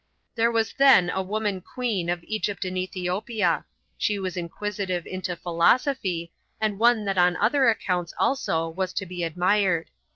5. There was then a woman queen of Egypt and Ethiopia; 16 she was inquisitive into philosophy, and one that on other accounts also was to be admired.